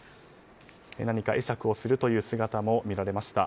何か会釈をするという姿も見られました。